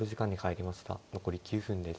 残り９分です。